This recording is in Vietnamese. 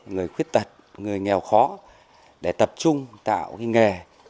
người khuyết tật người nghèo khó để tập trung tạo nghề